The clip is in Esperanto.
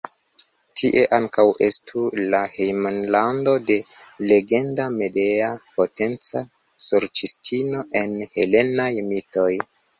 Tie ankaŭ estu la hejmlando de legenda Medea, potenca sorĉistino en helenaj mitoj.